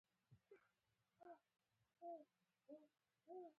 غوث الدين ته ټوخی ورغی.